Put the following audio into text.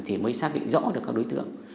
thì mới xác định rõ được các đối tượng